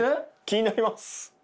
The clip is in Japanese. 気になります。